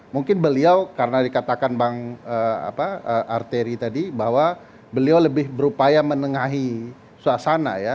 mungkin beliau karena dikatakan bang arteri tadi bahwa beliau lebih berupaya menengahi suasana ya